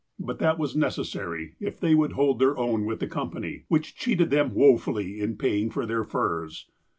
But that was necessary if they would hold their own with the company, which cheated them wofully in paying for their furs.